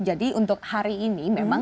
jadi untuk hari ini memang